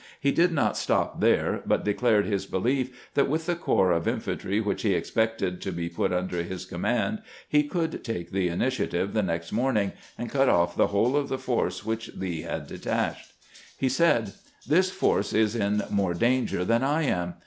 He did not stop there, but declared his belief that with the corps 432 CAMPAIGNING WITH GEANT of infantry "which, he expected to be put tinder his com mand, he could take the initiative the next morning, and cut off the whole of the force which Lee had de tached. He said :" This force is in more danger than I am.